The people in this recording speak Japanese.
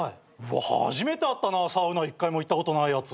初めて会ったなサウナ一回も行ったことないやつ。